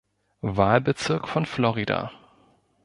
Wahlbezirk von Florida.